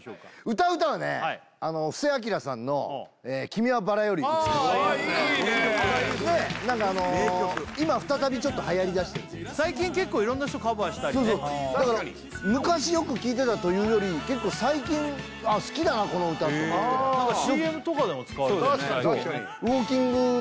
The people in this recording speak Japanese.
歌う歌はね布施明さんの「君は薔薇より美しい」ああいいですね何かあの今再びちょっとはやりだしてるというか最近結構色んな人カバーしたりねだから昔よく聴いてたというより結構最近好きだなこの歌って思って何かＣＭとかでも使われたよねえ